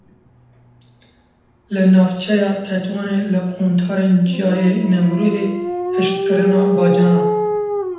Li navçeya Tetwanê li quntarên Çiyayê Nemrûdê hişkkirina bacanan.